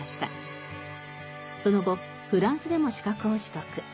その後フランスでも資格を取得。